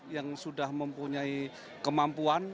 yang sudah mempunyai kemampuan